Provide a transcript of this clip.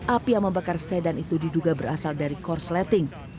api yang membakar sedan itu diduga berasal dari korsleting